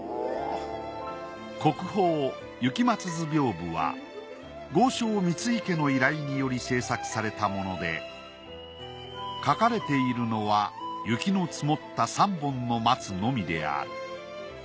国宝『雪松図屏風』は豪商三井家の依頼により制作されたもので描かれているのは雪の積もった３本の松のみである。